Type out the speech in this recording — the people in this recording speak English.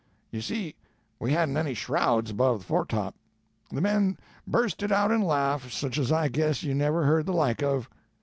You see we hadn't any shrouds above the foretop. The men bursted out in a laugh such as I guess you never heard the like of.